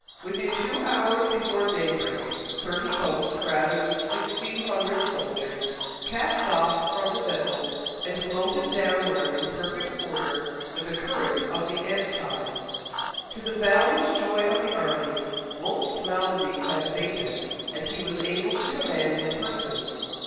Within two hours before daybreak thirty boats, crowded with sixteen hundred soldiers, cast off from the vessels and floated downward in perfect order with the current of the ebb tide. To the boundless joy of the army, Wolfe's malady had abated, and he was able to command in person.